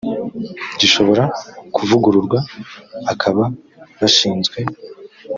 gishobora kuvugururwa bakaba bashinzwe